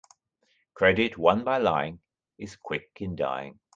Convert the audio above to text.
Credit won by lying is quick in dying.